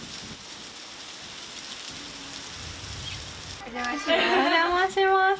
お邪魔します。